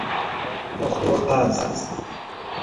پخت و پز